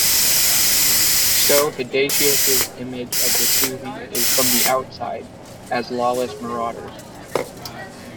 So Hydatius's image of the Suevi is from the outside, as lawless marauders.